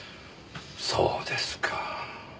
そうですか。